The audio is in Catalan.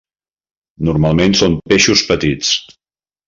Normalment són peixos petits.